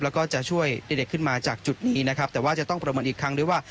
แล้วก็จะช่วยเด็กขึ้นมาจากจุดนี้นะครับแต่ว่าจะต้องประเมินอีกครั้งด้วยว่า